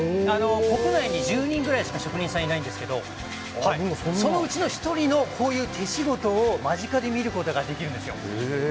国内に１０人ぐらいしか職人さんいないんですけどそのうちの１人のこういう手仕事を間近で見ることができるんですよ。